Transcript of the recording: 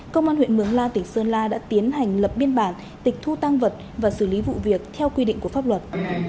công an huyện mường la tỉnh sơn la đã tiến hành lập biên bản tịch thu tăng vật và xử lý vụ việc theo quy định của pháp luật